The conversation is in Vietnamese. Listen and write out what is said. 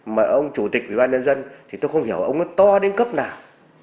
mà ông chủ tịch ủy ban nhân dân thì tôi không hiểu ông nó to đến cấp nào